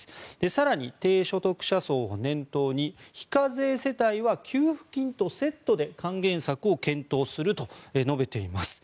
更に、低所得者層を念頭に非課税世帯は給付金とセットで還元策を検討すると述べています。